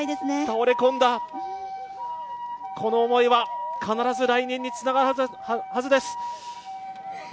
倒れ込んだこの思いは必ず来年につながるはずです。